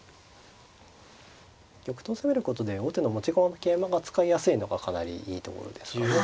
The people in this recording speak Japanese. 玉頭を攻めることで後手の持ち駒の桂馬が使いやすいのがかなりいいところですかね。